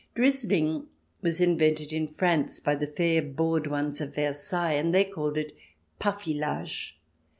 " Drizzling " was invented in France by the fair bored ones of Versailles, and they called \t parfilage.